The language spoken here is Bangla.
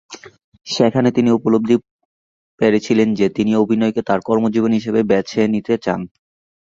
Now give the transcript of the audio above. সেখানে তিনি উপলব্ধি পেরেছিলেন যে, তিনি অভিনয়কে তার কর্মজীবন হিসেবে বেছে নিতে চান।